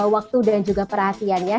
waktu dan juga perhatiannya